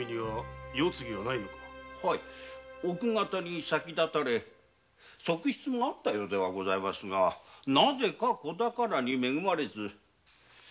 奥方には先立たれ側室もあったようではございますがなぜか子宝に恵まれず。